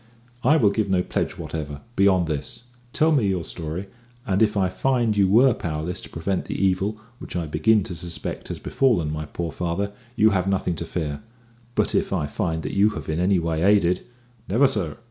"I will give no pledge whatever, beyond this. Tell me your story, and if I find you were powerless to prevent the evil which I begin to suspect has befallen my poor father, you have nothing to fear; but if I find that you have in any way aided " "Never, sir.